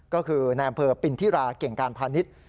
ก็คือในอำเภอปินทิราเก่งการพาณิชย์